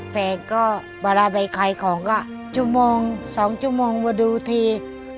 แฟนก็เวลาไปขายของก็ชั่วโมง๒ชั่วโมงมาดูที